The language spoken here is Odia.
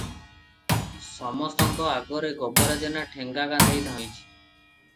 ସମସ୍ତଙ୍କ ଆଗରେ ଗୋବରା ଜେନା ଠେଙ୍ଗା କାନ୍ଧେଇ ଧାଇଁଛି ।